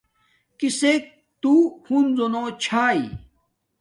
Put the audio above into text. کسک تو ہنزو نو چھاݵ